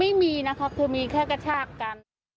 ไม่มีนะครับคือมีแค่กระชากกัน